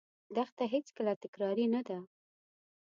دښته هېڅکله تکراري نه ده.